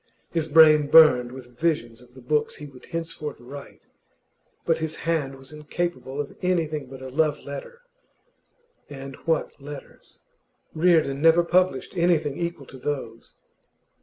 His brain burned with visions of the books he would henceforth write, but his hand was incapable of anything but a love letter. And what letters! Reardon never published anything equal to those.